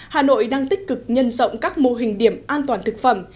hà nội đang tích cực nhân rộng các mô hình điểm an toàn thực phẩm